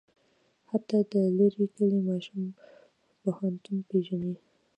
حتی د لرې کلي ماشوم پوهنتون پېژني.